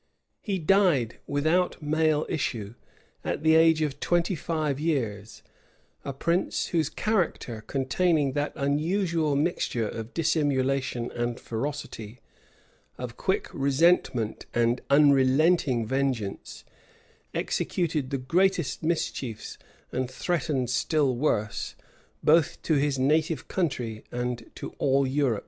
He died without male issue, at the age of twenty five years; a prince, whose character, containing that unusual mixture of dissimulation and ferocity, of quick resentment and unrelenting vengeance, executed the greatest mischiefs, and threatened still worse, both to his native country and to all Europe.